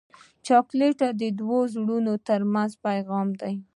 چاکلېټ د دوو زړونو ترمنځ پیغام دی.